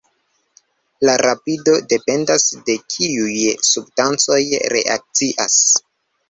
La rapido dependas de kiuj substancoj reakcias.